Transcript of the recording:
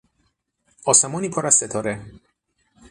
آسمانی پر از ستاره